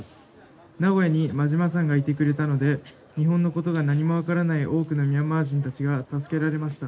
名古屋に馬島さんがいてくれたので日本のことが何も分からない多くのミャンマー人たちが助けられました。